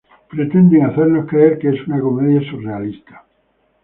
Pretenden hacernos creer que es una comedia surrealista.